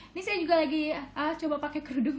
ini saya juga lagi coba pakai kerudung